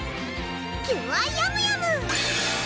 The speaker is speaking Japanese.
キュアヤムヤム！